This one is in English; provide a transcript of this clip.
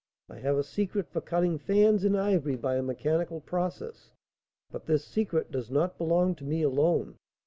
I have a secret for cutting fans in ivory by a mechanical process, but this secret does not belong to me alone.